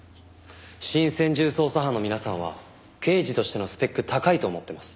新専従捜査班の皆さんは刑事としてのスペック高いと思ってます。